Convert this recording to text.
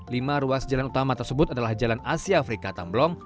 lima ruas jalan utama tersebut adalah jalan asia afrika tamblong